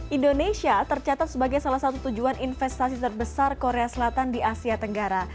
indonesia tercatat sebagai salah satu tujuan investasi terbesar korea selatan di asia tenggara